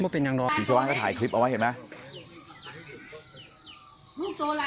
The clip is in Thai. ปีเชาะบ้างก็ถ่ายคลิปเอาไว้เห็นไหม